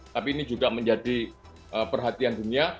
tapi ini juga menjadi perhatian dunia